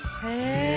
へえ